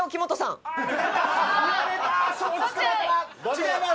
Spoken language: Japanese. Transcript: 違います。